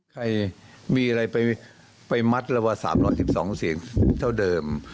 ใครมีอะไรไปมัดเราว่า๓๑๒เสียงเท่าเดิม